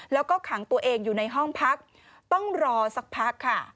แล้วก็ขังตัวเองอยู่ในห้องพักต้องรอสักพักค่ะ